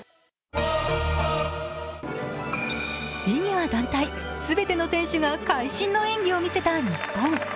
フィギュア団体すべての選手が会心の演技を見せた日本。